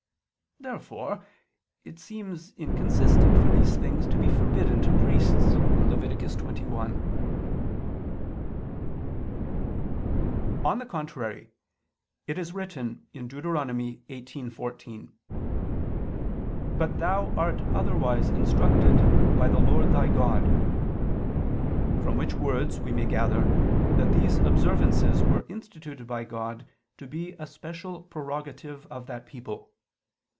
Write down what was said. Therefore it seems inconsistent for these things to be forbidden to priests (Lev. 21). On the contrary, It is written (Deut. 18:14): "But thou art otherwise instructed by the Lord thy God": from which words we may gather that these observances were instituted by God to be a special prerogative of that people.